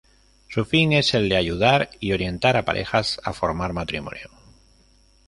Su fin es el de ayudar y orientar a parejas a formar matrimonio.